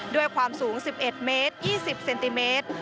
ด้วยความสูง๑๑เมตร๒๐เซนติเมตร